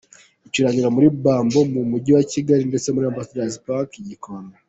Icurangira muri Bamboo mu mujyi wa Kigali ndetse no muri Ambasadazi Pariki i Gikond.